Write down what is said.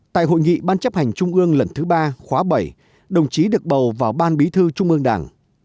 tại hội nghị ban chấp hành trung ương lần thứ ba khóa bảy đồng chí được bầu vào ban bí thư trung ương đảng